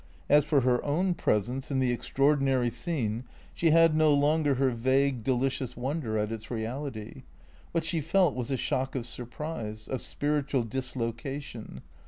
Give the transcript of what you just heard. As for her own presence in the ex traordinary scene, she had no longer her vague, delicious wonder at its reality. What she felt was a shock of surprise, of spiritual dislocation.